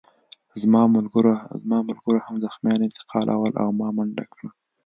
زما ملګرو هم زخمیان انتقالول او ما منډه کړه